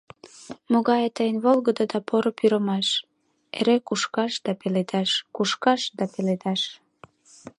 Могае тыйын волгыдо да поро пӱрымаш: Эре кушкаш да пеледаш, кушкаш да пеледаш.